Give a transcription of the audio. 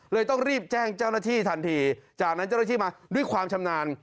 ต้องรีบแจ้งเจ้าหน้าที่ทันทีจากนั้นเจ้าหน้าที่มาด้วยความชำนาญ